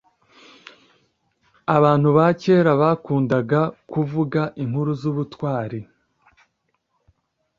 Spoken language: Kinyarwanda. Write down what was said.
Abantu ba kera bakundaga kuvuga inkuru zubutwari.